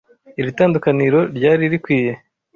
Iri tandukaniro ryari rikwiye.